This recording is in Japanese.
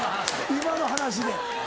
今の話で。